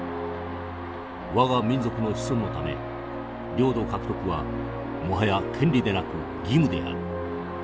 我が民族の子孫のため領土獲得はもはや権利でなく義務である。